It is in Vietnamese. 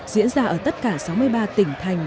diễn ra ở tất cả sáu mươi ba tỉnh thành